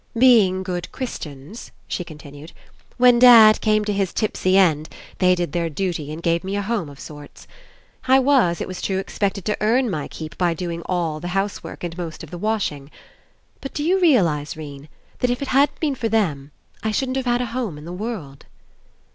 "Being good Christians," she continued, "when dad came to his tipsy end, they did their duty and gave me a home of sorts. I was, it was true, expected to earn my keep by doing all the housework and most of the washing. But do you realize, 'Rene, that if it hadn't been for them, I shouldn't have had a home in the world?"